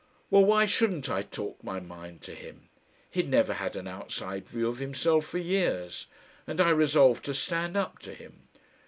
Well, why shouldn't I talk my mind to him? He'd never had an outside view of himself for years, and I resolved to stand up to him.